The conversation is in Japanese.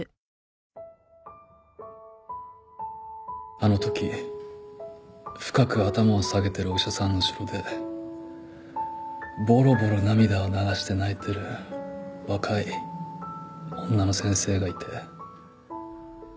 あの時深く頭を下げてるお医者さんの後ろでボロボロ涙を流して泣いてる若い女の先生がいて。